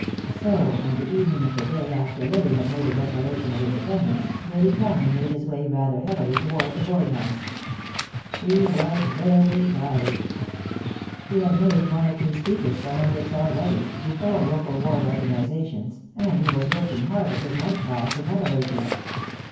So, on the evening of the day after Lily had made her declaration of independence, Willy Cameron made his way rather heavily toward the Boyd house. He was very tired. He had made one or two speeches for Hendricks already, before local ward organizations, and he was working hard at his night class in metallurgy.